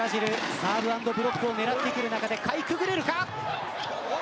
サーブアンドブロックを狙ってくる中でかいくぐれるか。